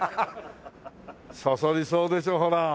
そそりそうでしょほら。